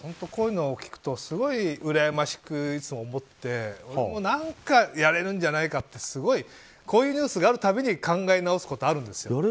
こういうのを聞くとすごいうらやましくいつも思って俺も何かやれるんじゃないかってこういうニュースがある度に考え直すことあるんですよ。